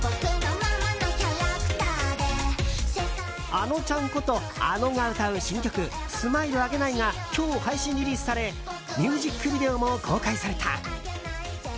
あのちゃんことａｎｏが歌う新曲「スマイルあげない」が今日、配信リリースされミュージックビデオも公開された。